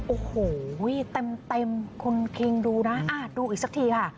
โอ้โหเต็มคุณคิงดูนะดูอีกสักทีค่ะ